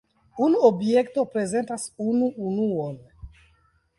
Unu objekto prezentas unu unuon.